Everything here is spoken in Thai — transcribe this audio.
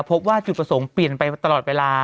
พบว่าจุดประสงค์เปลี่ยนไปตลอดเวลา